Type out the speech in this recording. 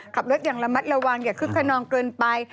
ขับรถอย่างระมัดระวังอย่าคึกขนองเกินไป